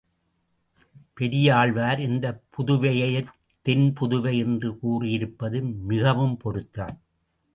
பெரியாழ்வார் இந்தப் புதுவையைத் தென் புதுவை என்று கூறியிருப்பது மிகவும் பொருத்தம்.